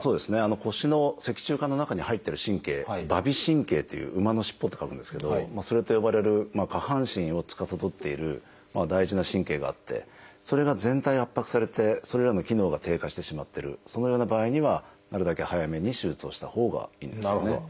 腰の脊柱管の中に入ってる神経「馬尾神経」という「馬の尻尾」と書くんですけどそうやって呼ばれる下半身をつかさどっている大事な神経があってそれが全体圧迫されてそれらの機能が低下してしまってるそのような場合にはなるだけ早めに手術をしたほうがいいんですよね。